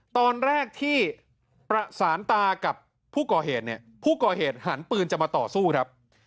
ตอนแรกที่ประสานตากับผู้ก่อเหตุเนี่ยผู้ก่อเหตุหันปืนจะมาต่อสู้ครับ